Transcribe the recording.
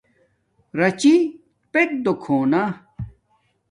راچی پیٹ دو کھونا